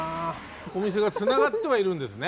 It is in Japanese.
お店がつながってはいるんですね。